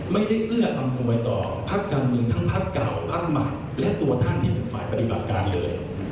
เอื้ออำนวยต่อพักการเมืองทั้งพักเก่าพักใหม่และตัวท่านที่เป็นฝ่ายปฏิบัติการเลย